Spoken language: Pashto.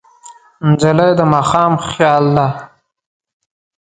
نجلۍ د ماښام خیال ده.